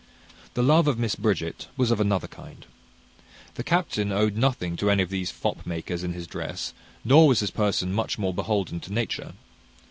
The love of Miss Bridget was of another kind. The captain owed nothing to any of these fop makers in his dress, nor was his person much more beholden to nature.